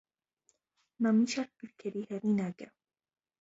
Նա մի շարք գրքերի հեղինակ է։